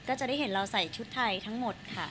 ก็จะได้เห็นเราใส่ชุดไทยทั้งหมดค่ะ